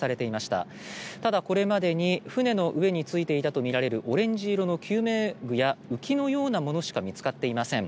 ただこれまでに船の上についていたとされるオレンジ色の救命具や浮きのようなものしか見つかっていません。